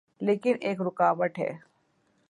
لیکن ایک رکاوٹ ہے۔